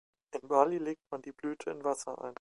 In Bali legt man die Blüte in Wasser ein.